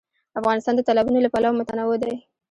افغانستان د تالابونه له پلوه متنوع دی.